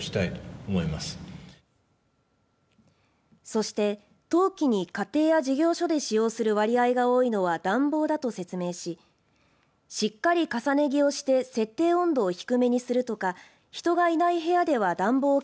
そして冬期に家庭や事業所で使用する割合が多いのは暖房だと説明ししっかり重ね着をして設定温度を低めにするとか人がいない部屋では暖房を